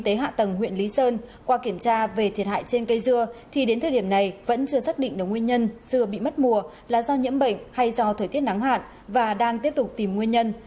trong thời điểm này vẫn chưa xác định được nguyên nhân dưa bị mất mùa là do nhiễm bệnh hay do thời tiết nắng hạn và đang tiếp tục tìm nguyên nhân